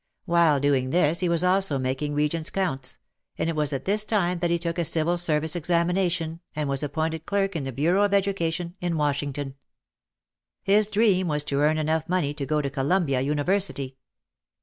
While doing this he was also making Regents counts. And it was at this time that he took a Civil Service exam ination and was appointed clerk in the Bureau of Educa tion in Washington. His dream was to earn enough money to go to Columbia University.